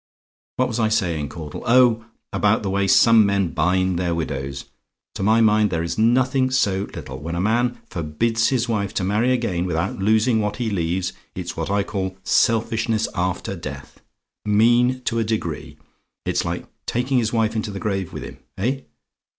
"What was I saying, Caudle? Oh, about the way some men bind their widows. To my mind, there is nothing so little. When a man forbids his wife to marry again without losing what he leaves it's what I call selfishness after death. Mean to a degree! It's like taking his wife into the grave with him. Eh?